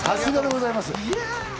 さすがでございます。